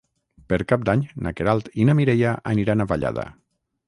Per Cap d'Any na Queralt i na Mireia aniran a Vallada.